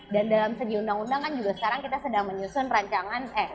dan dalam segi undang undang kan juga sekarang kita sedang menyusun rancangan